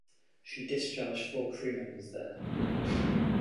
She discharged four crew members there.